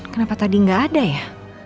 kenapa tadi nggak ada ya